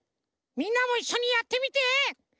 みんなもいっしょにやってみて！